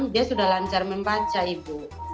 dia sudah lancar membaca ibu